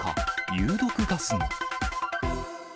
有毒ガスも。